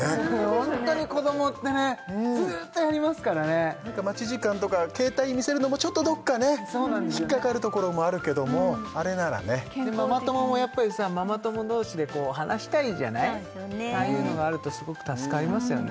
ホントに子どもってねずーっとやりますからね何か待ち時間とか携帯見せるのもちょっとどこかね引っかかるところもあるけどもあれならねママ友もやっぱりさママ友同士で話したいじゃないそうですよねああいうのがあるとすごく助かりますよね